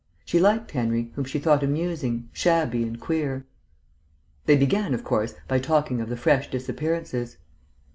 She liked Henry, whom she thought amusing, shabby, and queer. They began, of course, by talking of the fresh disappearances.